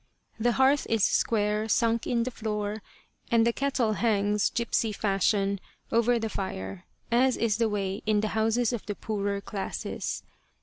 The hearth is square, sunk in the floor, and the kettle hangs, gipsy fashion, over the fire, as is the way in the houses of the poorer classes.